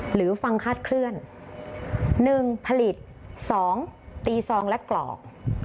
หรือฟังคาดเคลื่อน๑ผลิต๒ตีซองและกรอก